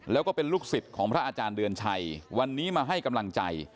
แล้วก็เป็นลูกศิษย์ของพระอาจารย์เดือนชัยวันนี้มาให้กำลังใจ